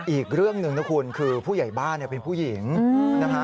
อีกเรื่องหนึ่งนะคุณคือผู้ใหญ่บ้านเป็นผู้หญิงนะฮะ